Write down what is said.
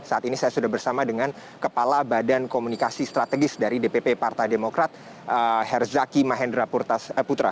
saat ini saya sudah bersama dengan kepala badan komunikasi strategis dari dpp partai demokrat herzaki mahendra putra